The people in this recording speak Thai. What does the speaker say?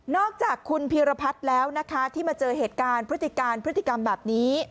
อกจากคุณพีรพัฒน์แล้วนะคะที่มาเจอเหตุการณ์พฤติการพฤติกรรมแบบนี้